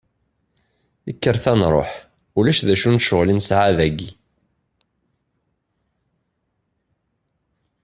Kkret ad nruḥ, ulac d acu n ccɣel i nesɛa dagi.